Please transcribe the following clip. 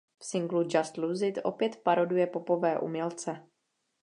V singlu "Just Lose It" opět paroduje popové umělce.